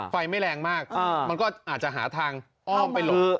ไฟไม่แรงมากมันก็อาจจะหาทางอ้อมไปหลบ